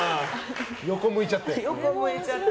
横向いちゃって。